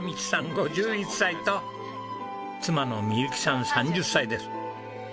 ５１歳と妻の未佑紀さん３０歳です。